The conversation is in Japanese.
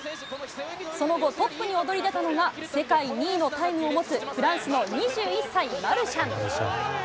その後、トップに躍り出たのが、世界２位のタイムを持つフランスの２１歳、マルシャン。